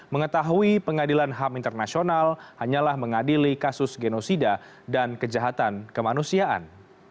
mengetahui pengadilan ham internasional hanyalah mengadili kasus genosida dan kejahatan kemanusiaan